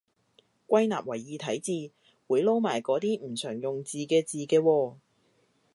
歸納為異體字，會撈埋嗰啲唔常用字嘅字嘅喎